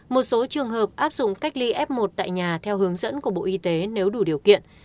một số trường hợp áp dụng cách ly f một tại nhà theo hướng dẫn của bộ y tế nếu đủ điều kiện